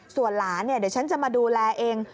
ส่วนหลานเนี่ยเดี๋ยวฉันจะมาดูแลเอง